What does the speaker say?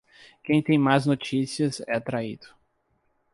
Quem tem más notícias é traído.